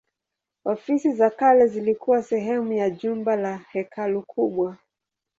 Ofisi za kale zilikuwa sehemu ya jumba au hekalu kubwa.